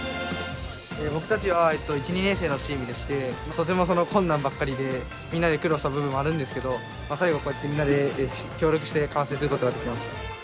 とても困難ばっかりでみんなで苦労した部分もあるんですけど最後こうやってみんなで協力して完成することができました。